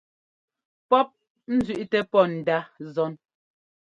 Pɔ́p nzẅíꞌtɛ pɔ́ ndaꞌ zɔ́n.